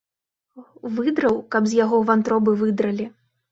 Выдраў, каб з яго вантробы выдралі.